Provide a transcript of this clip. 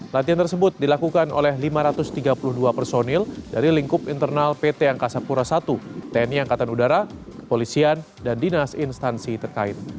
latihan tersebut dilakukan oleh lima ratus tiga puluh dua personil dari lingkup internal pt angkasa pura i tni angkatan udara kepolisian dan dinas instansi terkait